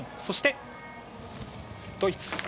そして、ドイツ。